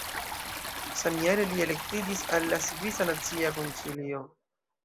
Samjare li elektiĝis al la Svisa Nacia Konsilio.